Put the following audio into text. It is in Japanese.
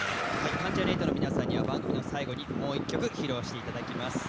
関ジャニ∞の皆さんには番組の最後でももう一曲披露していただきます。